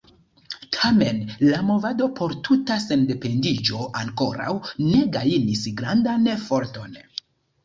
Tamen, la movado por tuta sendependiĝo ankoraŭ ne gajnis grandan forton.